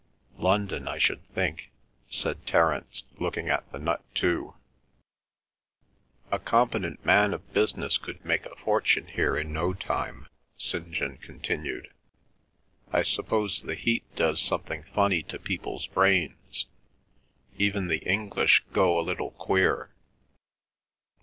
"London, I should think," said Terence, looking at the nut too. "A competent man of business could make a fortune here in no time," St. John continued. "I suppose the heat does something funny to people's brains. Even the English go a little queer.